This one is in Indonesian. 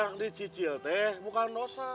yang dicicil teh bukan nosa